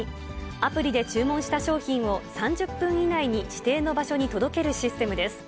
アプリで注文した商品を、３０分以内に指定の場所に届けるシステムです。